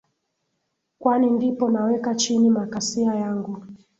kwani ndipo naweka chini makasia yangu